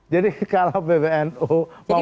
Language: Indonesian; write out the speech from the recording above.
jadi kalau pbnu mau mendaftarkan